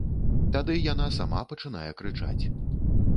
Тады яна сама пачынае крычаць.